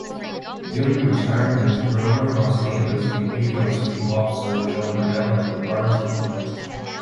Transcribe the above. During retirement, Roemer was neighbors with New York City mobster Joe Bonanno, in Arizona.